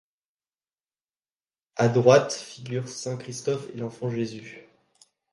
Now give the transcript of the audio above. À droite, figurent saint Christophe et l'Enfant Jésus.